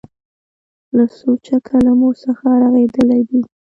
له سوچه کلمو څخه رغېدلي دي.